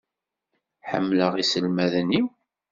Ḥemmleɣ iselmaden-iw.